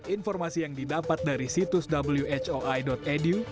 informasi yang didapat dari situs whoi edu